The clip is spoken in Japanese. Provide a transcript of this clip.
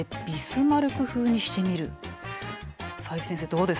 佐伯先生どうですか？